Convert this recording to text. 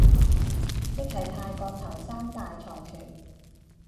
即係泰國頭三大財團